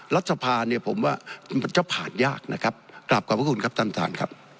รัฐสภาพมันจะผ่านยากขอบคุณครับท่าน